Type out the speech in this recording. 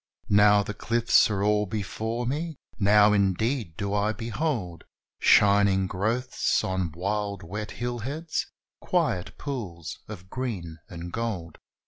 Now the cliffs are all before me now, indeed, do I behold Shining growths on wild wet hillheads, quiet pools of green and gold.